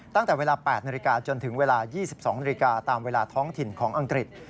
ตั้งแต่เวลา๘นาฬิกาจนถึงเวลา๒๒นาฬิกาตามเวลาท้องถิ่นของอังกฤษ